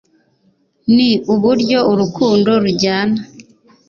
ni uburyo urukundo rujyana